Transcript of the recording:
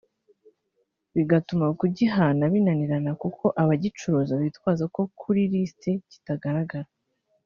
bigatuma kugihana binanirana kuko abagicuruza bitwaza ko kuri lisiti kitagaragara